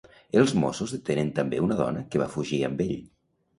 Els Mossos detenen també una dona que va fugir amb ell.